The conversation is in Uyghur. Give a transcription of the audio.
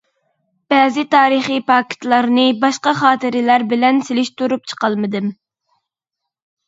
بەزى تارىخىي پاكىتلارنى باشقا خاتىرىلەر بىلەن سېلىشتۇرۇپ چىقالمىدىم.